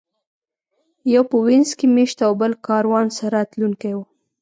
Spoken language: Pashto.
یو په وینز کې مېشت او بل کاروان سره تلونکی و.